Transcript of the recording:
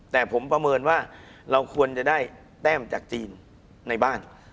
แต่ผมประเมินว่าเราควรจะได้แต้มจากจีนในบ้าน